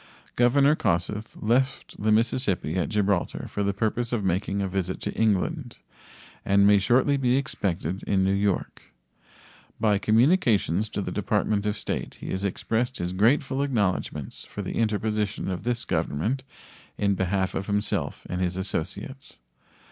Governor Kossuth left the Mississippi at Gibraltar for the purpose of making a visit to England, and may shortly be expected in New York. By communications to the Department of State he has expressed his grateful acknowledgments for the interposition of this Government in behalf of himself and his associates.